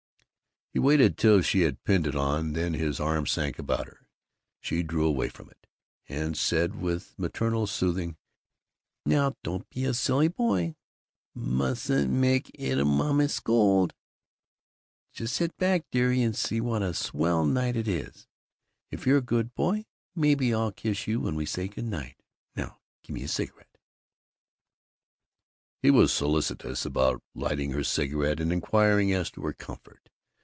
He waited till she had pinned it on, then his arm sank about her. She drew away from it, and said with maternal soothing, "Now, don't be a silly boy! Mustn't make Ittle Mama scold! Just sit back, dearie, and see what a swell night it is. If you're a good boy, maybe I'll kiss you when we say nighty night. Now give me a cigarette." He was solicitous about lighting her cigarette and inquiring as to her comfort.